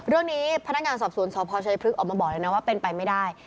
เรื่องนี้พนักงานสอบสวนสพชัยพฤกษออกมาบอกเลยนะว่าเป็นไปไม่ได้